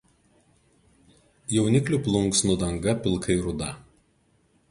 Jauniklių plunksnų danga pilkai ruda.